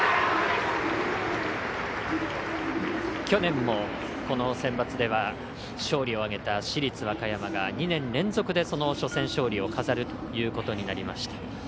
去年もこのセンバツでは勝利を挙げた市立和歌山が２年連続で、初戦勝利を飾るということになりました。